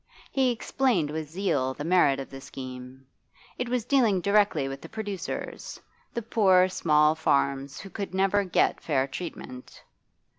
He explained with zeal the merit of the scheme; it was dealing directly with the producers, the poor small farmers who could never get fair treatment.